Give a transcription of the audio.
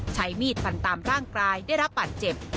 ใช้มีดฟันตามร่างกายได้รับบาดเจ็บ